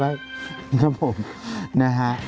นะครับผมนะฮะ